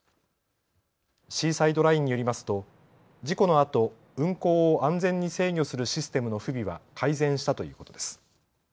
シーサイドラインによりますと事故のあと運行を安全に制御するシステムの不備は改善したということです。